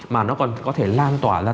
mà nó còn có thể lan tỏa ra